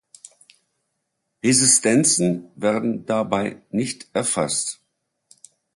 Resistenzen werden dabei nicht erfasst.